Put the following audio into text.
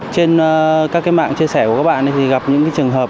trên các cái mạng chia sẻ của các bạn thì gặp những cái trường hợp